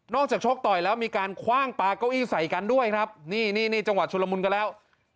จากชกต่อยแล้วมีการคว่างปลาเก้าอี้ใส่กันด้วยครับนี่นี่จังหวะชุลมุนกันแล้ว